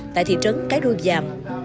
tại thị trấn cái đô giàm